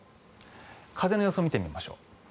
風の予想を見てみましょう。